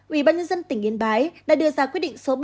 ủy ban nhân dân tỉnh yên bái đã đưa ra quyết định số bảy trăm ba mươi bốn